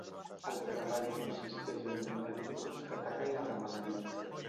El treball consisteix a eliminar dingos que ataquen la ramaderia.